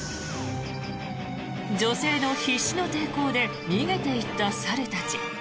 女性の必死の抵抗で逃げていった猿たち。